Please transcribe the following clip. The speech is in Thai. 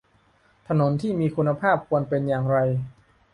ถนนที่มีคุณภาพควรเป็นอย่างไร